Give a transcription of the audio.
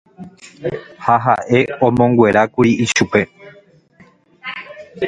Ha ha'e omonguerákuri ichupe.